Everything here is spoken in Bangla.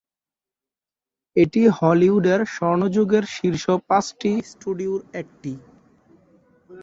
এটি হলিউডের স্বর্ণযুগের শীর্ষ পাঁচটি স্টুডিওর একটি।